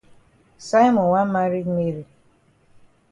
Simon wan maret Mary.